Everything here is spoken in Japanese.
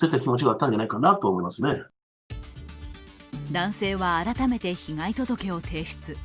男性は改めて被害届を提出。